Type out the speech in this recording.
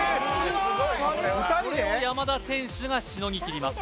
それを山田選手がしのぎきります